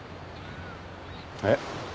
えっ？